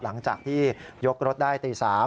หลังจากที่ยกรถได้ตี๓